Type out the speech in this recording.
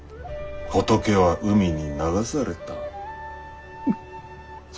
ホトケは海に流された。